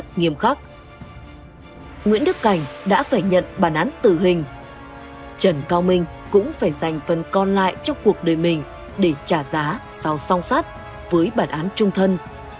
trần cao minh đã phải nhận bản án tử hình trần cao minh cũng phải dành phần còn lại trong cuộc đời mình để trả giá sau song sát với bản án trung thân